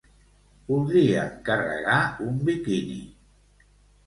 Voldria encarregar un biquini.